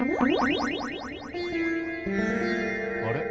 あれ？